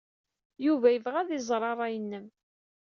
Yuba yebɣa ad iẓer ṛṛay-nnem.